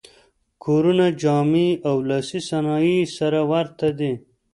کورونه، جامې او لاسي صنایع یې سره ورته دي.